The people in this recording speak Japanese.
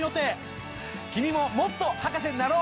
君ももっと博士になろう！